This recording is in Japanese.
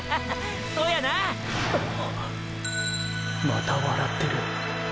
また笑ってる！